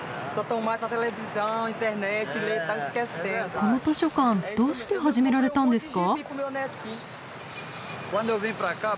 この図書館どうして始められたんですか？